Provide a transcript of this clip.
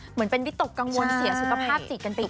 เหมือนเป็นวิตกกังวลเสียสุขภาพจิตกันไป